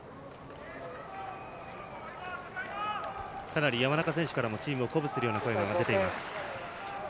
かなり山中選手からもチームを鼓舞する声が出ています。